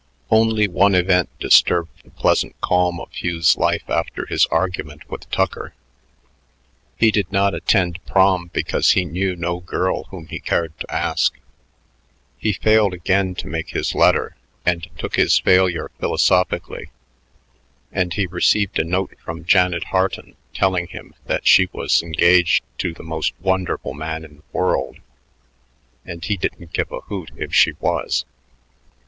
Only one event disturbed the pleasant calm of Hugh's life after his argument with Tucker. He did not attend Prom because he knew no girl whom he cared to ask; he failed again to make his letter and took his failure philosophically; and he received a note from Janet Harton telling him that she was engaged to "the most wonderful man in the world" and he didn't give a hoot if she was.